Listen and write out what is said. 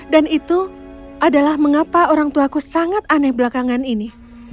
dan itu adalah mengapa orangtuaku sangat aneh belakangan ini